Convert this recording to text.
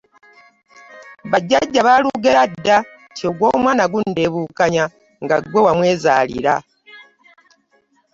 Bajjajja baalugera dda nti, “ogw’omwana gundeebuukanya nga ggwe wamwezaalira.”